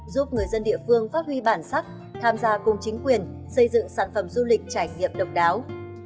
giúp người dân địa phương phát huy bản sắc tham gia cùng chính quyền xây dựng sản phẩm du lịch trải nghiệm độc đáo